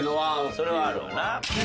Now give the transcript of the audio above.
それはあるわな。